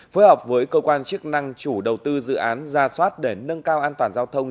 phối hợp với cơ quan chức năng chủ đầu tư dự án ra soát để nâng cao an toàn giao thông